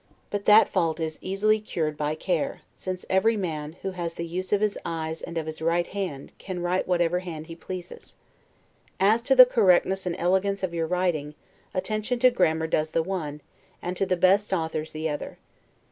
But that fault is easily cured by care, since every man, who has the use of his eyes and of his right hand, can write whatever hand he pleases. As to the correctness and elegance of your writing, attention to grammar does the one, and to the best authors the other.